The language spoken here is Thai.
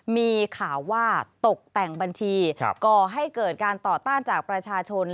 มีข่าวว่าตกแต่งบัญชีก่อให้เกิดการต่อต้านจากประชาชน